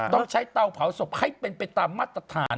ต้องใช้เตาเผาศพให้เป็นไปตามมาตรฐาน